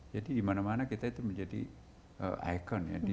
jadi dimana mana kita itu menjadi icon ya